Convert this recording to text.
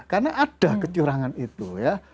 karena ada kecurangan itu